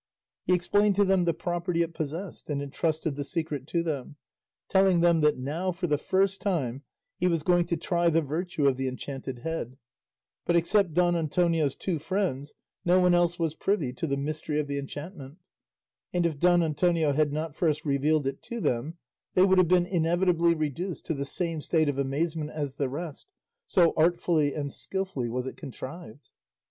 He explained to them the property it possessed and entrusted the secret to them, telling them that now for the first time he was going to try the virtue of the enchanted head; but except Don Antonio's two friends no one else was privy to the mystery of the enchantment, and if Don Antonio had not first revealed it to them they would have been inevitably reduced to the same state of amazement as the rest, so artfully and skilfully was it contrived.